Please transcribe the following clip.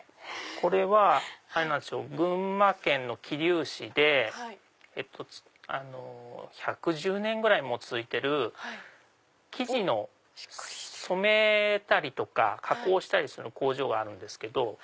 これは群馬県の桐生市で１１０年ぐらい続いてる生地の染めたりとか加工する工場があるんですけど。